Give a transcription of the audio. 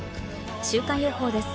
週間予報です。